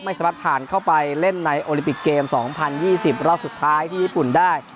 ไม่สามารถผ่านเข้าไปเล่นในโอลิมปิกเกม๒๐๒๐รอบสุดท้ายที่ญี่ปุ่นได้